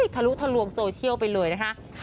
ทะลุโทรเชียลไปเลยนะคะ